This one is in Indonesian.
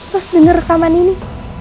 terus denger rekaman ini